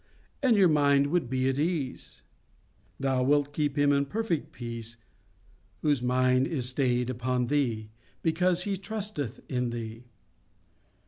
And your mind would be at ease. "Thou wilt keep him in perfect peace whose mind is stayed upon Thee, because he trusteth in Thee."